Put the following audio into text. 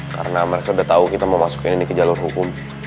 karena mereka udah tahu kita mau masukin ini ke jalur hukum